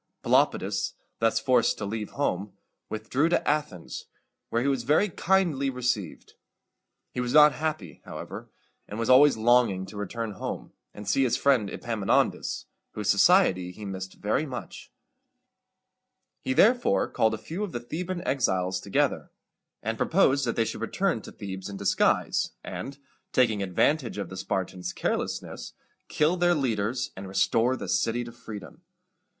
Pelopidas, thus forced to leave home, withdrew to Athens, where he was very kindly received. He was not happy, however, and was always longing to return home, and see his friend Epaminondas, whose society he missed very much. He therefore called a few of the Theban exiles together, and proposed that they should return to Thebes in disguise, and, taking advantage of the Spartans' carelessness, kill their leaders, and restore the city to freedom.